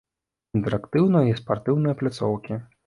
Інтэрактыўныя і спартыўныя пляцоўкі.